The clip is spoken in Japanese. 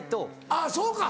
あっそうか。